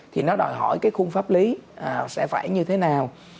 thì nó đòi hỏi cái khung pháp lý sẽ phải như thế nào